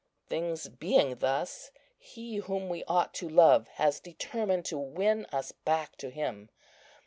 Things being thus, He whom we ought to love has determined to win us back to Him.